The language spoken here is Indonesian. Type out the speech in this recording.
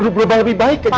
berubah lebih baik aja